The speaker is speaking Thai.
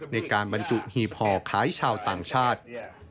ในการบรรจุหีบห่อขายชาวต่างชาติ